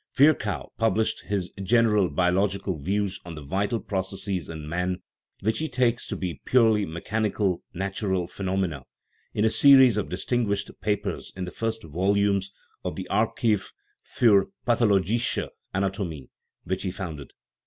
Vir chow published his general biological views on the vital processes in man which he takes to be purely me chanical natural phenomena in a series of distin guished papers in the first volumes of the Archiv fur pathologische Anatomie, which he founded.